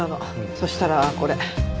そしたらこれ。